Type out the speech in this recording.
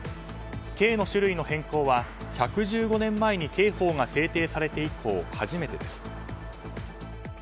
刑の種類の変更は１１０年前に刑法が制定されて以降初めてです。